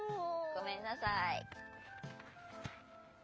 ごめんなさい。